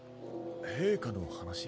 陛下の話？